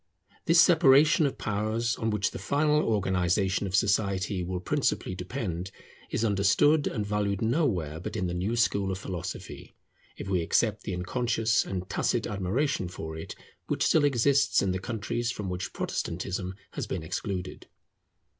This separation of powers, on which the final organization of society will principally depend, is understood and valued nowhere but in the new school of philosophy, if we except the unconscious and tacit admiration for it which still exists in the countries from which Protestantism has been excluded.